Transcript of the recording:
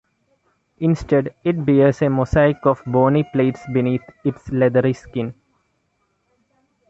Instead, it bears a mosaic of bony plates beneath its leathery skin.